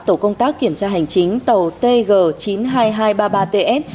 tổ công tác kiểm tra hành chính tàu tg chín mươi hai nghìn hai trăm ba mươi ba ts